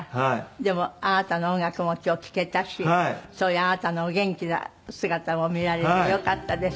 でもあなたの音楽も今日聴けたしそういうあなたのお元気な姿も見られてよかったです。